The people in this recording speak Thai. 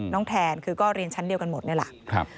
แทนคือก็เรียนชั้นเดียวกันหมดนี่แหละ